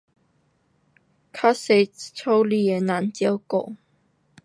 较多，家里的人照顾。